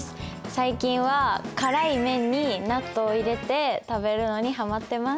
最近は辛い麺に納豆を入れて食べるのにはまってます。